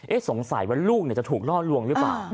สงสัยว่าลูกจะถูกล่อลวงหรือเปล่า